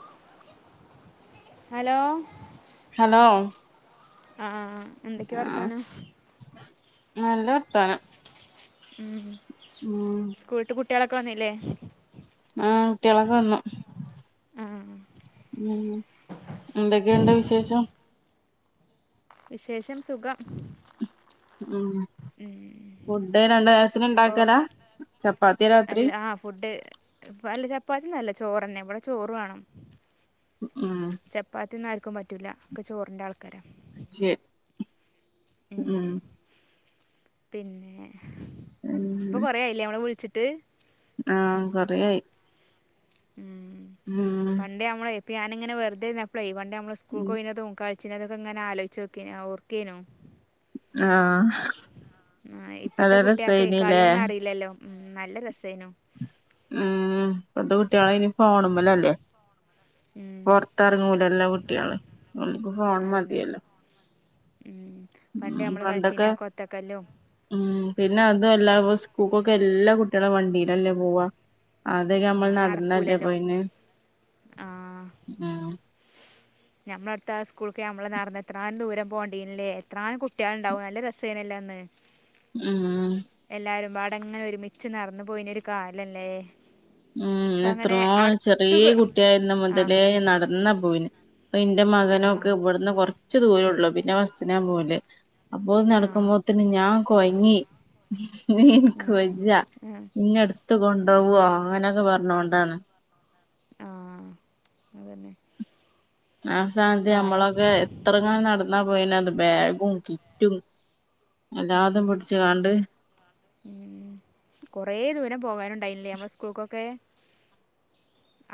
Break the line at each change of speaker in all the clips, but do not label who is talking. [inaudible] Hello
hello
ആഹ്, എന്തൊക്കെ വർത്താനം
ആഹ് നല്ല വർത്താനം.
ഹ്മ്മ്
മ്
കുട്ടിയോളൊക്കെ വന്നില്ലേ
ആ കുട്ടികളൊക്കെ വന്നു
ആ
മ് എന്തൊക്കെയുണ്ട് വിശേഷം
വിശേഷം സുഖം
മ് ഫുഡ് രണ്ട്‌നേരത്തതിന്
ഇപ്പോൾ
ഉണ്ടാക്കലാ ചപ്പാത്തി രാത്രി
അല്ല ആ ഫുഡ് ഇപ്പം അല്ല ചപ്പാത്തിയൊന്നല്ല ചോറന്നെ ഇവടെ ചോറ് വാണം
ഹ്മ്മ്
റ്റ്ന്നാ ആർക്കും പറ്റൂല ഒക്കെ ചോറിന്റെ ആൾക്കാര
ശരി ഉം
ഹ്മ്മ് പിന്നെ ഇപ്പൊ കൊറ ആയില്ലേ അവവിടെ വിളിച്ചിട്ട് ട്ട്
ആ കൊറേആയി
ഉം.
ഉം
പണ്ട് നമ്മളെ ഞാനിങ്ങനെ വെറുതെര്ന്നപ്പളെയ് വ ഡേ നമ്മള് സ്കൂൾക്ക്
ഉം
പോയിന്നതും കൾ ച്ചിനലത്ങ്ങനെ ആലോച്ചൊക്കേയ്രുന്നു ഓർക്കേനു
ആ
ആ ഇപ്പത്തെ കുട്ട്യാക്കേയ് കളിയൊന്നും അറീലല്ലോ ഉം നല്ല രസേനു
ഉം ഇപ്പത്തെ കുട്ട്യാളൈന് ഫോണ്മ്മലല്ലേ
ഉം.
പൊർത്തെർങ്ങൂലല്ലോ കുട്ട്യാള് അവര്ക് ഫോൺ
അതന്നെ
മതിയല്ലോ
ഉം പണ്ട്
ഉം
നമ്മള്
പണ്ടൊക്കെ
കൾച്ചീന ആ കൊത്തക്കല്ലും
ഉം പിന്നെ അതും അല്ല ഇപ്പ സ്കൂക്കൊക്കെ എല്ലാ കുട്ടികള വണ്ടിയിലല്ലേ പോവാ അതൊക്കെ
ആ
നമ്മൾ നടന്നല്ലേ
നടക്കൂലല്ലോ
പോയിന് ഉ
ഞമ്മുടെ അടുത്ത ആ സ്കൂൾക്ക് നമ്മള് നടന്നന്ന് എത്രാനും ദൂരം പോകേണ്ടിനല്ലേ എത്രാനും കുട്ടികൾണ്ടാവും നല്ല രസേനല്ലേ
ഉം
[unintelligible] എല്ലാരും വാട് അവിടെങ്ങനെ ഒരുമിച്ച് നടന്നു പോയനൊ ഒരു കാലംല്ലേ
ഉം എത്രോ ചെറിയ കുട്ടിയായിരുന്നു
ആ
മുതലേ നടന്ന പോയിന് ഇപ്പൊ ഇന്റെ
ആ
മകനൊക്കെ ഇവിടുന്ന് കൊർ [unintelligible] റച്ച് ദൂരള്ളൂ പിന്നെ ബസ്നാ പോവല് അപ്പോ
ആ
നടക്കുമ്പോത്തന് ഞാൻ കൊയങ്ങി [inaudible] ൻക്ക്
ഉം
വജ
ആ
ഇന്നെ എടുത്ത്
ഉം
കൊണ്ടോവോ തൊക്കെ പറഞ്ഞോണ്ടാണ്
ആഹ് അതന്നെ
ആ സ്ഥാനത്ത്
കാലം
നമ്മളൊക്കെ എത്രങ്ങാനും നടന്നാ പോയിനത് ബാഗും കിറ്റും എല്ലാതും
ഉം
പിടിച്ച കണ്ട്
ഉം കുറെ ദൂരം പോകാനുണ്ടായില്ലേ നമ്മള സ്കൂൾക്കൊക്കെ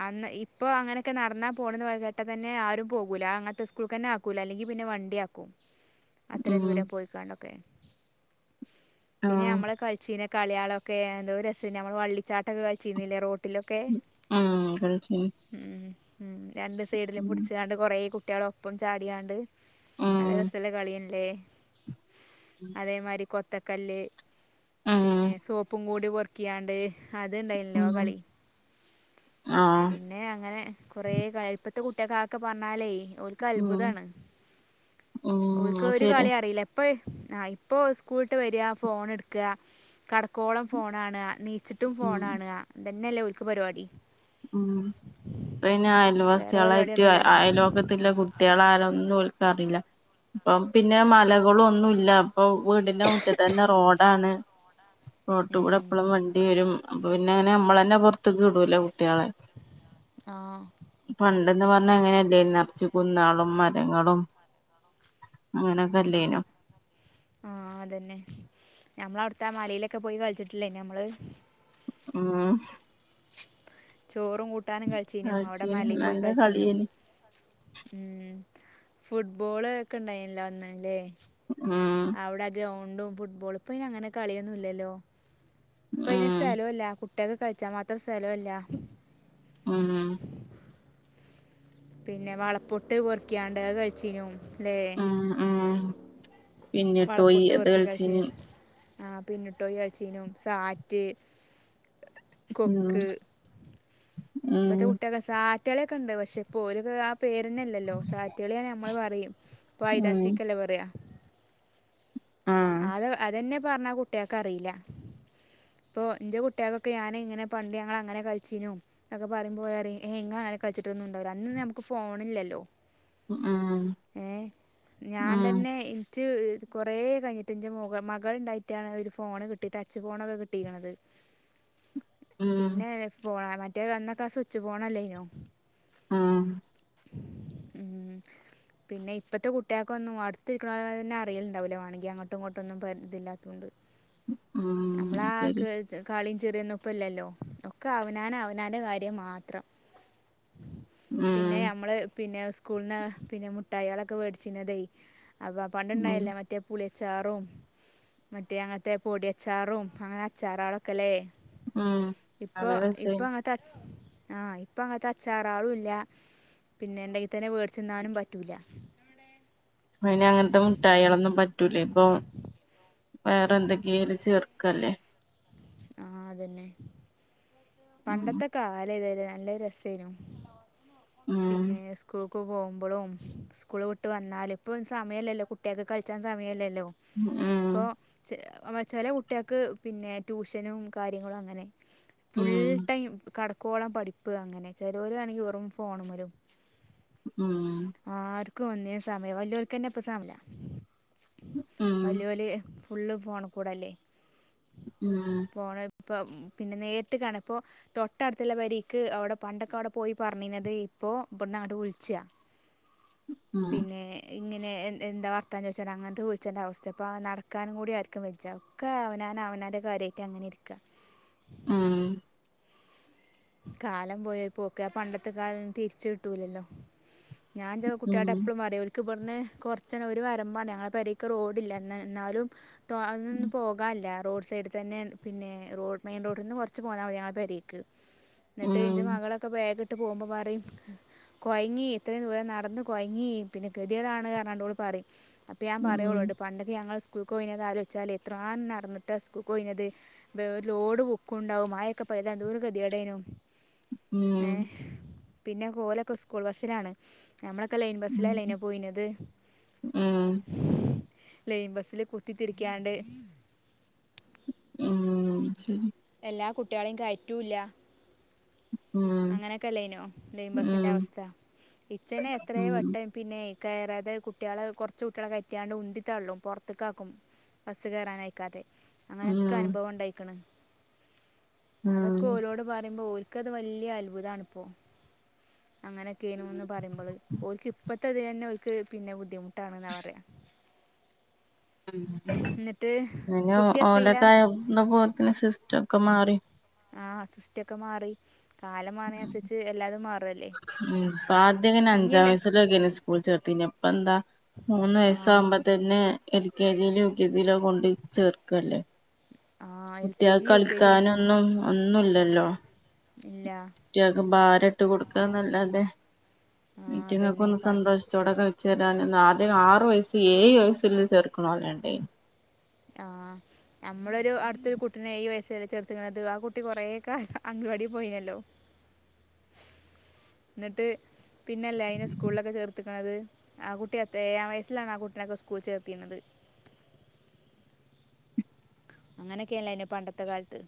അന്ന് ഇപ്പൊ അങ്ങനെയൊക്കെ നടന്നാ പോകണന്ന് കേട്ടെ തന്നെ ആരും പോകൂല അങ്ങനത്തെ സ്കൂൾ തന്നെ ആക്കൂല അല്ലെങ്കിൽ പിന്നെ വണ്ടി ആക്കും അത്രയും
ഉം
ദൂരം പോയിക്കാണ്ടൊക്കെ പിന്നെ
ആഹ്
നമ്മളെ കളിച്ചനെ കളിയാളൊക്കെ എന്തോര് രസേയ്ന്നു നമ്മള് വള്ളിച്ചാട്ടൊക്കെ കളിച്ചിരുന്നില്ലേ റോട്ട് ട്ടിലൊക്കെ
ആ കൾച്ചീന്നു
ഉം രണ്ട് സൈഡിലും പിടിച്ചാണ്ട് കുറെേ കുട് കുട്ട്യാളൊപ്പം ചാടിയാണ്ട് നല്ല
ഉം
രസ്സള്ളെ കളിയല്ലേ അതേമാരി കൊത്ത ത്തക്കല്ല്
ഉം
പിന്നെ സോപ്പും കൂട് പോൽ ക്കിയാണ്ട് അത് ണ്ടായിൻല്ലോ
ഉം
കളി
ആഹ്
പിന്നെ അങ്ങനെ കുറേ കാൽത്ത് ത്തെ കുട്ട്യാക്ക് അതൊക്കെ പറഞ്ഞാലേയ് ഓൽക്ക്
ഉം
അത്ഭുതാണ് ഓൽക്ക്
ഉം
ഒരു
ശരി
കളി അറിയില്ലപ്പൊ ഇപ്പ ആ ഇപ്പോ സ്കൂള്ട്ട് വരാ ഫോണെട്ക്കാ കടക്കോളം ഫോണാണ് നീച്ച് ച്ചിട്ടും
ഉം
ഫോണാണ തന്നെയല്ലേ ഓര്ക്ക് പരിപാടി
ഉം പിന്നെ
വേറെ
അയൽവസിയാളേറ്റ് അ
പരിപാടിയൊന്നുമില്ലല്ലോ
അയ്ല് വക്കത്ത്ള്ള കുട്ട്യാളാലൊന്നും ഓര്ക്ക് [unintelligible] അറില്ല പ്പം പിന്നെ മലകളൊന്നും ഇല്ല ഇപ്പൊ വീടിന്റെ മുറ്റത്ത് തന്നെ റോഡാണ് കോട്ട് കൂടെ എപ്പളും വണ്ടി വരും അപ്പൊ പിന്നെ അങ്ങെ നമ്മ തന്നെ പുറത്തക്ക് ഇടൂല ട്ട്യാളെ
ആ
ണ്ടന്ന് പറഞ്ഞ അങ്ങനെല്ലേ നിറച്ചു കുന്നാളും മരങ്ങളും അങ്ങനൊക്കെല്ലനൊ
ആ അതന്നെ ഞമ്മൾ അവിടുത്തെ മലയിലൊക്കെ പോയി കളിച്ചിട്ടില്ലേ നമ്മള്
മ്
ചോറും കൂട്ടാനും കളിച്ചീനും അവിടെ
കളിച്ചീനി
മലയിൽ പോയി
നല്ല
കളിച്ചീനും
കളിയേനി
ഉം ഫുട്ബോള് ഒക്കെ ഇണ്ടായിനിയല്ലോ അന്ന് ല്ലെ
ഉം
ആവിടാ ഗ്രാ ണ്ടും ഫുട്ബോൾ ഇപ്പൊ അങ്ങനെ കളിയൊന്നും ഇല്ലല്ലോ പ അയിൻ
ഉം
സ്ഥലുല്ല കു കുട്ട്യാക് കൽച്ച മാത്രം സ്ഥലമല്ല
ഉം
പിന്നെ വളപ്പൊട്ട് പെറക്ക്യാണ്ട് അത്കഴിച്ചീനു ലെ
പിന്നിടോയി അത് കളിച്ചീനി
ആ പിന്നിട്ടൊയി കളിച്ചീനും സാറ്റ്
ഉം
കൊക്ക് ഇപ്പത്തെ
ഉം
കുട്ടികക്കെ സാ കുട്ടികളയൊക്കെണ്ട് പക്ഷേ ഇപ്പോര് കാ പേരന്നെയില്ലല്ലോ സാറ്റ് കളിയാണെ നമ്മള് പറയും. ഇപ്പൊ ഹൈഡ് ആൻ്റ്
ഉം
സീക്ക്ന്നല്ലേ പറയാ
ആഹ്
അത് അതെന്നെ പറഞ്ഞാൽ കുട്ടിയക്ക് അറിയൂല ഇപ്പോൾ എൻ്റെ കുട്ടികൾക്കൊക്കെ ഞാനിങ്ങനെ പണ്ട് ഞങ്ങളങ്ങനെ കളിച്ചീനു അന്നൊക്കെ പറയുംമ്പേ ഓര് പറയും. ഏയ് നിങ്ങളങ്ങനെ കളിച്ചിട്ടൊന്നും ഉണ്ടാവില്ല അന്ന് നമുക്ക് ഫോണില്ലല്ലോ
ഉം ഉം
ഏ ഞാൻ തന്നെ ച്ച് കൊറേ കഴിഞ്ഞിട്ടാണ് എൻ്റെ മുകൾ മകൾ ഇണ്ടായിട്ടാണ് ഒരു ഫോണ്കിട്ടി ടച്ച് ഫോണൊക്കെ കിട്ടിയിരിക്കണത്
ഉം
പിന്നെ ഫോണാ മറ്റേ മറ്റേ അന്നൊക്കെ സ്വിച്ച് ഫോണ് അല്ലേനു
ആ
ഉം പിന്നെ ഇപ്പത്തെ കുട്ടികൾക്കൊന്നും അടുത്ത് ഇരിക്കണവരെതന്നെ അറിയില്ലുണ്ടാവില്ല വേണമെങ്കി അങ്ങോട്ടും ഇങ്ങോട്ടുംന്നും പരിതില്ലാത്തുകൊണ്ട്
ഉം ശരി
ചെറിയന്നൊപ്പെല്ലല്ലോ ഒക്കെ അവനാൻ അവ നാന്റെ കാര്യം മാത്രം പിന്നെ
ഉം
നമ്മള് പിന്നെ സ് കൂളന്ന് പിന്നെ മുട്ടായികളൊക്കെ മേടിചിനത്തെ അള്ളാ
ഉം
പണ്ടുണ്ടായില്ലേ മറ്റേ പുളിയ അച്ചാറും മറ്റേ അങ്ങത്തെ പൊടി അച്ചാറും അങ്ങനെ അച്ചാറാളൊക്കെല്ലേ
ഉം നല്ല രസായ്നി
ആഹ് ഇപ്പ അങ്ങത്തെ അച്ചാറാളും ഇല്ല പിന്നെ ഇണ്ടങ്കിതന്നെ വേട്ച്ച്ന്നാനും പറ്റൂല്ല
അയിന് അങ്ങനത്തെ മിഠായികളൊന്നും പറ്റൂല, ഇപ്പൊ വേറെ എന്തൊക്കെയല് ചേർക്കല്ലേ.
ആഹ് അതെന്നെ.
ഉം
പണ്ടത്തെ കാലം അല്ലല്ലോ. നല്ല രസായിനു.
ഉം
പിന്നെ സ്കൂ പോകുമ്പോഴും സ്കൂൾ വിട്ട് വന്നാലും, ഇപ്പം സമയമില്ലല്ലോ കുട്ടികൾക്ക് കളിച്ചാൻ സമയമില്ലല്ലോ. ഇപ്പൊ
ഉം
ചെ ചെലാ കുട്ടികൾക്ക് പിന്നെ. ട്യൂഷനും കാര്യങ്ങളും അങ്ങനെ. ഫുൾ
ഉം
ടൈം കട. കോളം പഠിപ്പ് അങ്ങനെ ചിലവരുവാണെങ്കിൽ വെറും ഫോൺ മേലും.
ഉം ഉം
ആരെ ക്കും ഒന്ന് സമയം വലിയവർക്ക് തന്നെ ഇപ്പൊ സമയം ഇല്ല.
ഉം
വലിയ വലിയ ഫുള്ള് ഫോൺ കൂടെല്ലേ
ഉം
ഇപ്പൊ പിന്നെ നേരിട്ട് കാണുമ്പോൾ തൊട്ടടുത്തുള്ള പേരേക്ക് അവിടെ പണ്ടൊക്കെ അവിടെ പോയി പറഞ്ഞിരുന്നത് ഇപ്പോൾ ഇവിന്ന് അങ്ങോട്ട് വിളിച്ചാ.
ഉം
പിന്നെ ഇങ്ങനെ എന്താ വർത്താ ചേദിച്ചാൽ അങ്ങട്ട് വിളിച്ചണ്ടെ അവസ്ഥ ഇപ്പം നടക്കാനും കൂടി ആരിക്കും വെജജ ഒക്കെ അവനാന് അവനാന് കാര്യമായിട്ട് അങ്ങനെ ഇരിക്ക
ആഹ്
കാലം പോയ പോക്കെ ആ പണ്ടത്തെൊക്കെ കാലം തിരിച്ച് കിട്ടൂലല്ലോ ഞാൻ ഇൻഞ്ചേ
ഉം
കുട്ടിആളോട് എപ്പളും പറയും ഒൽക്ക് ഇവിടുന്ന് കുറച്ചെണ്ണം ഒരു വരമ്പാണ് ഞങ്ങളുടെ പേരേക്ക് റോഡ് ഇല്ല ന്നന്ന് എന്നാലും അതൊന്നും പോകാമില്ല റോഡ് സൈഡിൽ തന്നെ പിന്നെ റോഡ് മെയിൻ റോഡിൽ നിന്ന് കുറച്ച് പോന്നാൽ മതി ഞങ്ങളുടെ പെരീക്ക് എന്നിട്ട് ഇഞ്ച്
ഉം
മകളൊക്കെ ബാഗ് ഇ ഇട്ട് പോകുമ്പോ പറിം കൊയങ്ങി ഇത്രയും ദൂരം നടന്ന് കെയങ്ങി പിന്നെ കെതിടാണ് ആണ്ട് ഓള് പറിം അപ്പം ഞാൻ പറയാ
ഉം
ഓളോട് പണ്ടെക്കെ ഞങ്ങൾ സ് സ്കൂൾക്ക് പോയിനെത് ആലോചിച്ചാൽ എത്രങ്ങാനും നടന്നിട്ട് സ്കൂൾ പൊയ്നിയത് ഒരു ലോഡ് ബുക്കും ഉണ്ടാവും മയയൊക്കെ പെയ്താൽ എന്തൊരു കതിയടായ്നു ഏഹ്
ഉം
പിന്നെ കോലൊക്കെ സ്കൂൾ ബസ്സിലാണ് ഞമ്മളൊക്കെ ലൈൻ ബസ്സില് അലൈയ്നെ പോയിനത്
ഉം
ലൈൻ ബസില് കുത്തിത്തിരിക്കാണ്ട്
ഉം ശരി
എല്ലാ കുട്ടികളെയും കയറ്റൂല്ല
ഉം
അങ്ങനൊക്കെ അല്ലനോ ലൈൻ ബസിന്റെ
ഉം
അവസ്ഥ ഇച്ചനെ എത്രയും
ഉം
വട്ടം പിന്നെ കയറാതെ കുട്ടികളെ കുറച്ച് കുട്ടികളെ കയറ്റിയാണ്ട് ഉന്തി തള്ളും പുറത്തേക്കാക്കും ബസ്സ് കയറാനയക്കാതെ അങ്ങനെയൊക്കെ
ഉം
അനുഭവം ഉണ്ടായിക്കണ് അതൊക്കെ
ഉം
ഓരോട് പറയുമ്പോ ഒര് ഇക്കത് വാല്ലി അത്ഭുതണിപ്പോ അങ്ങനെയൊക്കെനന്ന് പറയുമ്പോള് ക്ക് ഇപ്പ പത്ത തെർക്ക് പിന്നെ ബുധിമുട്ട് ട്ടാണ് എന്നാ പറയാ
ഉ
കുട്ടി
[inaudible]
എത്രയിലാ
ഓലക്കയുന്ന പോലത്തിന് സിസ്സം ക്ക മാറി
ആഹ സിസ്റ്റ ഒക്കെ മാറി കാലം മാറിയനുസരിച്ച് എല്ലാതും മാറല്ലേ
ഉം ആദ്യം ഇങ്ങനെ അഞ്ചാം
ഇഞ്ഞില്ലേ
വയസ്ലൊക്കെ സ്കൂൾ ചേർത്തിനത് ഇപ്പ എന്താ മൂന്ന്
ആഹ്
വയസാകുമ്പോ തന്നെ എൽ കെ ജിയിലും യു കെ ജിയിലോ കൊണ്ട് ചേർക്കല്ലേ
ആഹ് എൽ
കുട്ടിക
കെ ജി യു കെ ജിയും
കളിക്കാനൊന്നും ന്നല്ലല്ലോ
ഇല്ല
റ്റ ഭാരം ഇട്ട് കൊടുക്കുക എന്നല്ലാതെ
ആഹ് അതന്നെ
ഇറ്റങ്ങൾകൊന്ന്
പ
സന്തോഷത്തോടെ കളിക്ക ചെരി അദ്യ ആറ് വയസ്സ് ഏഴ് വയസ്ല്ല ചേർക്കണോ ലിണ്ടായിനി
ആഹ നമ്മളൊരു അടുത്തൊരു കുട്ടീ ഏ വയസ്സ ചെർത്ത്ക്കണത് ആ കുട്ടി കൊറെ കാല അംഗവാടി പോയിനല്ലോ എന്നിട്ട് പിന്നെല്ലേ അയനെ സ്കൂളിലക്കെ ചേർത്ത് ത് ആ കുട്ടി ഏഴാം വയസ്സിലാണ് ആ കുട്ടീനൊക്കെ സ്കൂളിൽ ചേർത്തിരുന്നത് അങ്ങനൊക്കെയല്ലേനു പണ്ടത്തെ കാലത്ത്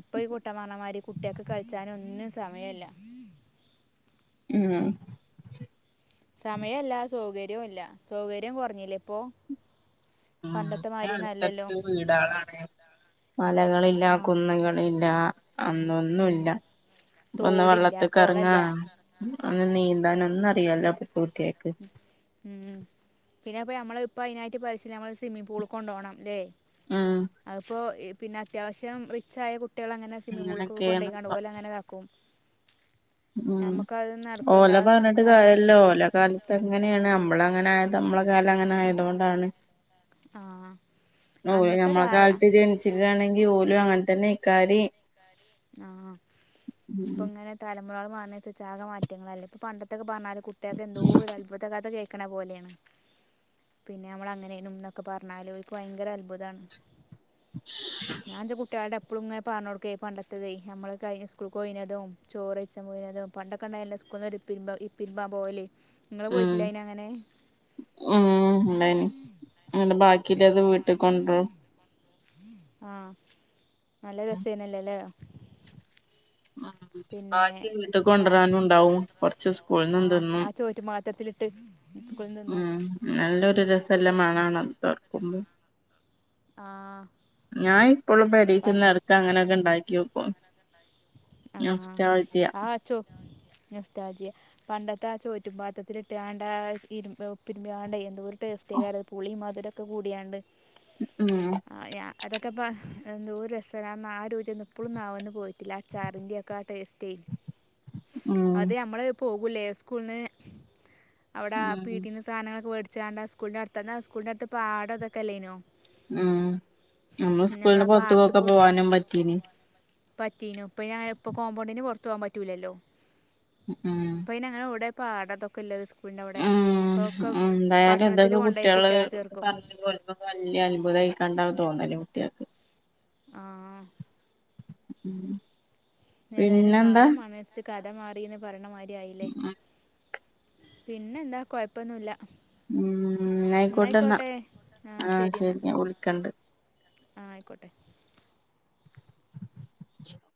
ഇപ്പൊ ഈ കുട്ടൻ പറഞ്ഞമാരി കുട്ടികക്ക് കളിചാനൊന്നിനും സമയില്ല
ഉം
യുല്ല സൗകര്യം കുറഞ്ഞില്ലേ ഇപ്പോ
ഉമ്
പണ്ടത്തെ മാതിരിയൊന്നും അല്ലല്ലോ
അടുത്തട്ത്ത് വീടാണ് മലകളില്ല
ആ
കുന്നുകളില്ല അന്നൊന്നുല്ല
ഉം.
മ് ഒന്ന്
തോടില്ല
വള്ളത്ത് കെറങ്ങാ
കുളമില്ല
അങ്ങ് നീന്താം ഒ ഇന്നറിയാല് അപ്പേ
ഉം ഉം പിന്നെ എപ്പഴ മമ്മള് ഇപ്പോ അയിനായിട്ട് [unintelligible] സ്വിമ്മിംഗ് പൂൾ കൊണ്ടോണം ല്ലേ അപ്പോ ഇപ്പ് പിന്നെ അത്യാവശ്യം റിച്ച് ആയ കു കുട്ടികള അങ്ങനെ സിമിംപൂൾ
അങ്ങനൊക്കേണ് ഇപ്പം ഉം
നടക്കുമല്ല
ഓലെ
അത് നമുക്ക്
പറഞ്ഞിട്ട്
നടക്കും
കാര്യോല്ലല്ലോ ഓല് കാല് എങ്ങനെയാണ് നമ്മള അങ്ങനെ ആയത് നമ്മളെ കാലം അങ്ങനെ ആയതുകൊണ്ടാണ്
ആ
ഓല്
അന്നത്തെ
നമ്മള
കാല
കാലത്ത് ജനിച്ചുകയാണെങ്കിൽ ഓലും അങ്ങനെ [unintelligible]
ആഹ് ഇപ്പൊ ഇങ്ങനെ തല നമ്മളോട് പറഞ്ഞ ചാക മാറ്റങ്ങളല്ല ഇപ്പൊ പണ്ടത്തൊക്കെ പറഞ്ഞാലും കുട്ടിക്ക് എന്തോ ഒരു അത്ഭുതകഥ കേൾക്കണ പോലെയാണ്. പിന്നെ നമ്മൾ അങ്ങനെ എന്നൊക്കെ പറഞ്ഞാലും ഓൽക്ക് ഭയങ്കര അത്ഭുതമാണ് [unintelligible] പ്പോളങ്ങും പറഞ്ഞോടുക്കയ പണ്ട നമ്മൾ കഴി സ്കൂളിൽക്ക് പോയിനതും ചോറ്കയിച്ചാൻ പോയിനതും പണ്ടൊക്കെണ്ട എല്ലാം സ്കൂള നി ഒരു പിൻ പിൻമ്പ പോകല്
ഉം ഉം ണ്ടായിനി ബാക്കി ക്കിലത് വീട്ട കൊണ്ടും
ആ നല്ല രസേന്നല്ലോല്ലേ
[inaudible] ഉ ബാക്കി വീട്ടിൽ
ആ
കൊണ്ടുവരാനും ഉണ്ടാവും കൊറച്ച് സ്കൂളിൽ നി
ആ
തിന്നും
ആ ചോറ്റുപാത്രത്തിലിട്ട് സ്കൂളിൽ
ഉ
നിന്നും
നല്ലൊരു രസ സ്ഥല്ലമാണണ തോർക്കുമ്പോ
ആ
ഞായി ഇപ്പോളും പെരീക്ക്
പണ്ട
നടക്കാ അങ്ങനെ ഒക്കെ ഉണ്ടാക്കി നോക്കും
ആഹ് ആഹ് അച്ചോ നൊസ്റ്റൾജിയ പണ്ടത്തെ ആ ചോറ്റും പാത്രത്തില ഇട്ടാണ്ട ഇരുമ്പ ഉപ്പിരുമ്പാണ്ട് എന്തോ ടെസ്റ്റയിരുന്നു പുളി മധുരം ഉപ്പ് കൂടിയാണ്ട്
ഉം
ആ ഞാ അതൊക്കെ ഇപ്പ ന എന്തൊരു രസ ആ രുചി നി ഇപ്പളുംന്ന വന്ന് പോയിട്ട് ചാറിന്റെ ഒക്കെ ആ ടേസ്റ്റ്
ഉം
അത് നമ്മള് പോ കുലെ സ്കൂളന്ന് അവിടെ
ഉം
പീടിന്ന് സാധനങ്ങളൊക്കെ വെ ചോണ്ടാകൂളി അടുന്ന് സ്കൂൾ ന്റെ അടുത്ത് പാട അതൊകെ അല്ലേനോ
ഉം നമ്മള് സ്കൂളിന്റെ
നമ്മളാ
പുത്തുകൊക്കെ പോവാനും പറ്റീനി
പറ്റിനു ഇപ്പ ഞാന ഇപ്പോ കോമ്പണ്ടി പെ തോമ് പറ്റൂലല്ലോ
ഉം
പയിനങ്ങനെ ഉട പാട അതൊക്കെ ഇല്ലത് സ്
ഉം എന്തായാലും
പട്ടണത്തിൽ
ഇതൊക്കെ
കൊണ്ടോയി
കുട്ടിയേള്
കുട്ടികളെ ചേർക്കും
പറഞ്ഞ പോല വലിയ അത്ഭുതായിക്കാണ്ടാവും തോന്നല് കു ട്ട്യേക്ക്
ആഹ്
ഉം
ഏതായാലും
പിന്നെന്താ
കാലം [unintelligible] മാറീന്ന് പറയണമാരി യായിലെ
ഉം
പിന്നെ എന്താ കൊഴപ്പൊന്നുല്ല
ഉം അയിക്കോട്ടെന്നാ
എന്നായിക്കോട്ടെ ആ
ആഹ്
എന്നാ
ശരി ഞാൻ വിളിക്കണ്ട്
ആ ആയിക്കോട്ടെ
[inaudible]